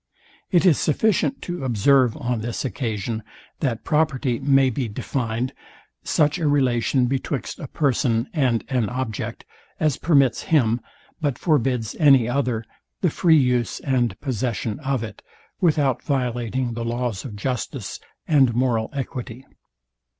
It is sufficient to observe on this occasion, that property may be defined, such a relation betwixt a person and an object as permits him, but forbids any other, the free use and possession of it, without violating the laws of justice and moral equity.